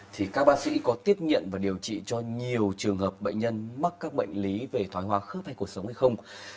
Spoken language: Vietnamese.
thì các bác sĩ có tiếp nhận và điều trị cho nhiều trường hợp bệnh nhân mắc các bệnh lý về thoái hoa khớp hay cuộc sống hay không